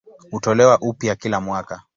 Hutolewa upya kila mwaka.